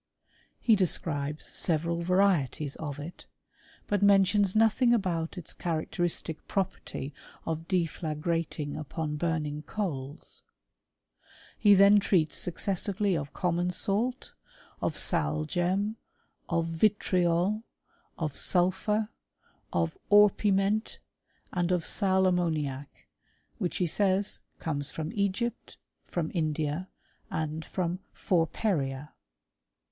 He describes several varieties of it, but mentions nothing about its charac teristic property of deflagrating upon burning coals*. He then treats successively of common salt^ of sal gem, of vitriol, of sulphur, of orpiment, and of sal ammoniac^ which, he says, comes tfom Egypt, from India^ and from Forperia.